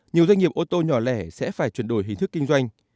nhiều doanh nghiệp ô tô nhỏ lẻ sẽ phải chuyển đổi hình thức kinh doanh